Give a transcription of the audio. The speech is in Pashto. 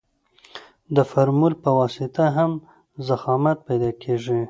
د فورمول په واسطه هم ضخامت پیدا کیږي